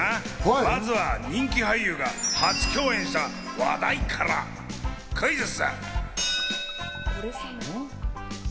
まずは人気俳優が初共演した話題から、クイズッス！